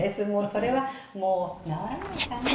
それはもう直らないかな？